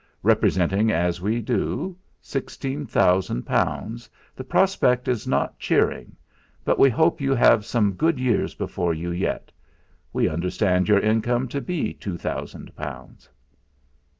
Representing, as we do, sixteen thousand pounds, the prospect is not cheering, but we hope you have some good years before you yet. We understand your income to be two thousand pounds."